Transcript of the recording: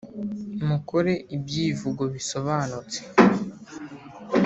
Mukore ibyivugo bisobanutse